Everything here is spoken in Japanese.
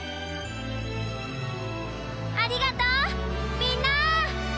ありがとうみんな！